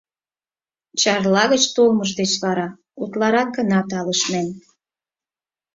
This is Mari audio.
Чарла гыч толмыж деч вара утларак гына талышнен.